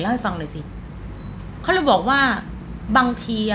ให้ฟังหน่อยสิเขาเลยบอกว่าบางทีอ่ะ